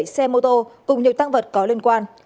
bảy mươi bảy xe mô tô cùng nhiều tăng vật có liên quan